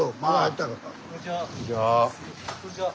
こんにちは。